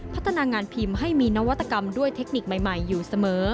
พัฒนางานพิมพ์ให้มีนวัตกรรมด้วยเทคนิคใหม่อยู่เสมอ